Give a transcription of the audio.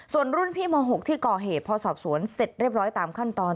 ส่วนรุ่นพี่ม๖ที่ก่อเหตุพอสอบสวนเสร็จเรียบร้อยตามขั้นตอน